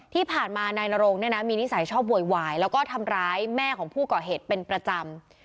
ที่ผ่านมานายนโรงเนี่ยนะมีนิสัยชอบโวยวายแล้วก็ทำร้ายแม่ของผู้ก่อเหตุเป็นประจำ